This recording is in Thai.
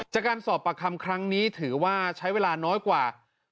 จากการสอบปากคำครั้งนี้ถือว่าใช้เวลาน้อยกว่า